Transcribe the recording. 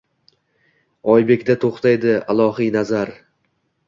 Oybekda to’xtaydi Ilohiy nazar.